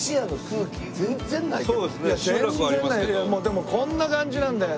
でもこんな感じなんだよ